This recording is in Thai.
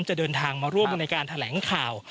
จะเดินทางมาร่วมในการแถลงข่าว